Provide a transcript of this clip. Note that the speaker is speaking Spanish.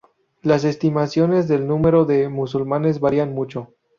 Las estimaciones del número de musulmanes varían mucho.